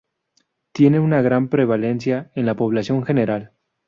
Tiene una gran prevalencia en la población general.